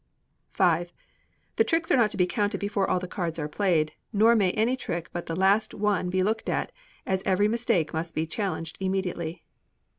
v. The tricks are not to be counted before all the cards are played; nor may any trick but that last won be looked at, as every mistake must be challenged immediately.